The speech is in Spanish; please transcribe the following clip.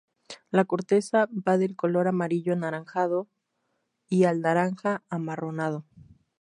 La corteza va del color amarillo anaranjado al naranja amarronado.